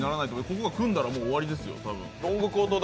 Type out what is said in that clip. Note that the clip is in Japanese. ここが組んだらもう終わりですよ。